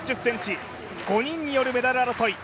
５人によるメダル争い。